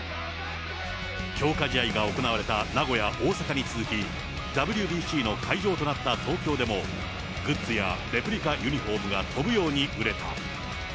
強化試合が行われた名古屋、大阪に続き、ＷＢＣの会場となった東京でも、グッズやレプリカユニホームが飛ぶように売れた。